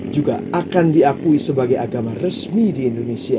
juga akan diakui sebagai agama resmi di indonesia